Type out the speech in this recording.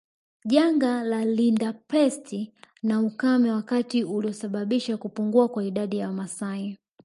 Janga la rinderpest na ukame wakati ulisababisha kupungua kwa idadi ya Wamasai